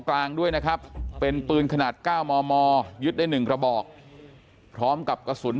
กลางด้วยนะครับเป็นปืนขนาด๙มมยึดได้๑กระบอกพร้อมกับกระสุน